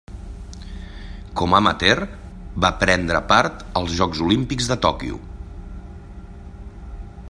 Com a amateur va prendre part als Jocs Olímpics de Tòquio.